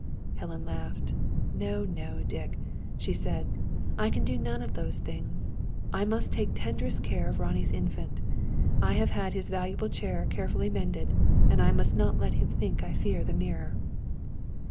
Helen laughed. "No, no, Dick!" she said. "I can do none of those things. I must take tenderest care of Ronnie's Infant. I have had his valuable old chair carefully mended; and I must not let him think I fear the mirror."